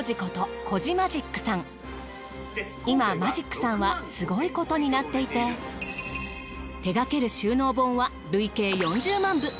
今マジックさんはすごいことになっていて手がける収納本は累計４０万部。